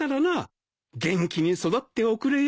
元気に育っておくれよ。